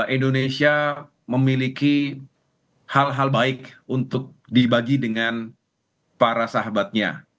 indonesia memiliki hal hal baik untuk dibagi dengan para sahabatnya